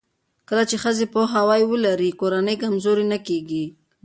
کله چې ښځې پوهاوی ولري، کورنۍ کمزورې نه کېږي.